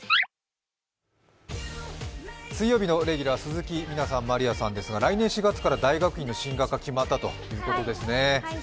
水曜日のレギュラー鈴木みなさん、まりあさんですが来年４月から大学院の進学が決まったんですね。